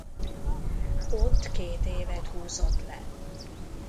Ott két évet húzott le.